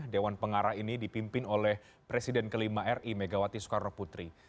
dewan pengarah ini dipimpin oleh presiden kelima ri megawati soekarno putri